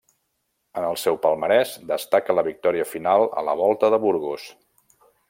En el seu palmarès destaca la victòria final a la Volta a Burgos.